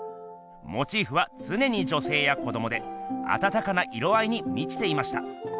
モチーフはつねに女せいや子どもであたたかな色合いにみちていました。